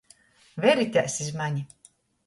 Veritēs iz mani!